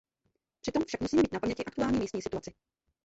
Při tom však musíme mít na paměti aktuální místní situaci.